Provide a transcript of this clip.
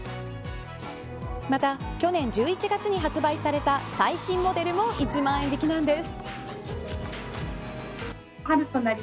また、去年１１月に発売された最新モデルも１万円引きなんです。